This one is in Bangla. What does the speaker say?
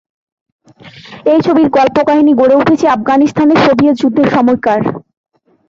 এই ছবির কল্পকাহিনী গড়ে উঠেছে আফগানিস্তানে সোভিয়েত যুদ্ধের সময়কার।